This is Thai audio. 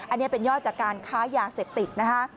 อันนี้เป็นยอดจากการค้ายาเสพติดนะคะ